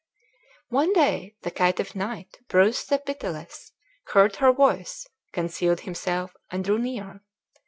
One day the caitiff knight, Breuse the Pitiless, heard her voice, concealed himself, and drew near.